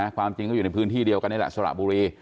ความจริงก็อยู่ในพื้นที่เดียวกันนี่แหละสระบุรี